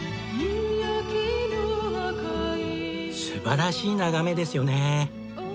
素晴らしい眺めですよね。